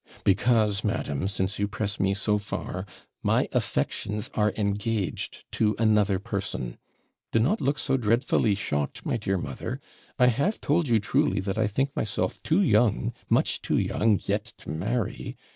'Because, madam, since you press me so far, my affections are engaged to another person. Do not look so dreadfully shocked, my dear mother I have told you truly, that I think myself too young, much too young, yet to marry.